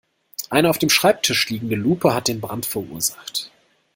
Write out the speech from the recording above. Eine auf dem Schreibtisch liegende Lupe hat den Brand verursacht.